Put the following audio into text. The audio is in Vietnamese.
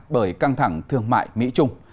bởi căng thẳng thương mại mỹ trung